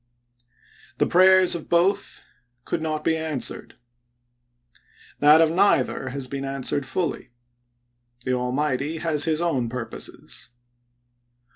The prayers of both could not be answered — that of neither has been answered fully. The Almighty has his own purposes.